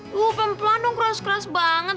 tuh pelan pelan dong keras keras banget